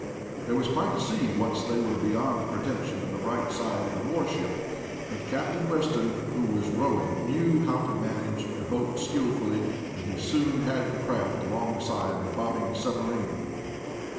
There was quite a sea once they were beyond the protection of the side of the warship, but Captain Weston, who was rowing, knew how to manage a boat skillfully, and he soon had the craft alongside the bobbing submarine.